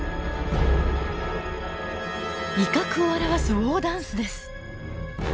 威嚇を表すウオーダンスです。